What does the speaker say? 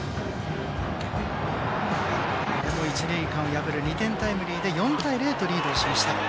これも一、二塁間を破る２点タイムリーで４対０とリードをしました。